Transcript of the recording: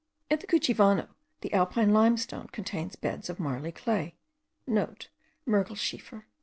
At the Cuchivano the alpine limestone contains beds of marly clay,* (*Mergelschiefer.)